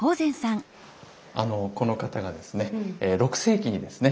あのこの方がですね６世紀にですね